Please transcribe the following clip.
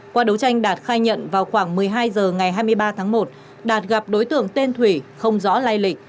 qua đấu tranh đạt khai nhận vào khoảng một mươi hai h ngày hai mươi ba tháng một đạt gặp đối tượng tên thủy không rõ lai lịch